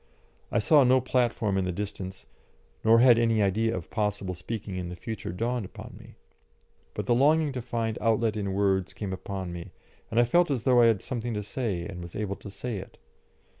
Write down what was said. I saw no platform in the distance, nor had any idea of possible speaking in the future dawned upon me. But the longing to find outlet in words came upon me, and I felt as though I had something to say and was able to say it.